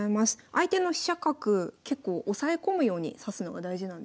相手の飛車角結構押さえ込むように指すのが大事なんですね。